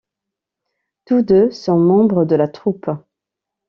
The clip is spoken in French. Tous deux sont membres de la troupe.